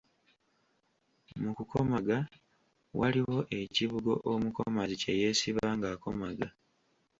Mu kukomaga waliwo ekibugo omukomazi kye yeesiba ng’akomaga.